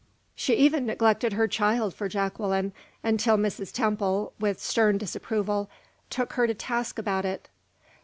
She even neglected her child for Jacqueline, until Mrs. Temple, with stern disapproval, took her to task about it.